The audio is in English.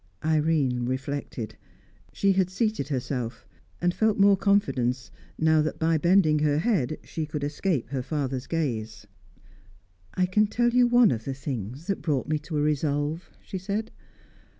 Irene reflected. She had seated herself, and felt more confidence now that, by bending her head, she could escape her father's gaze. "I can tell you one of the things that brought me to a resolve," she said.